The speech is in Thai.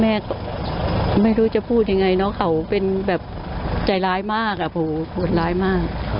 แม่ก็ไม่รู้จะพูดยังไงน้องเขาเป็นแบบใจร้ายมากโหดร้ายมาก